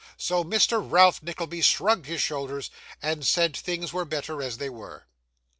So, Mr. Ralph Nickleby shrugged his shoulders, and said things were better as they were.